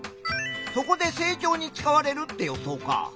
そこで成長に使われるって予想か。